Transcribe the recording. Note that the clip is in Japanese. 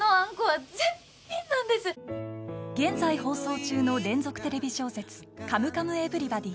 現在放送中の連続テレビ小説「カムカムエヴリバディ」。